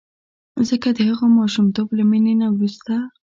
ځکه د هغه ماشومتوب له مینې نه وروسته.